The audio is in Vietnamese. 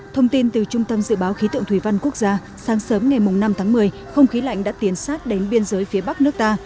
thông tin từ trung tâm dự báo khí tượng thủy văn quốc gia sáng sớm ngày năm tháng một mươi không khí lạnh đã tiến sát đến biên giới phía bắc nước ta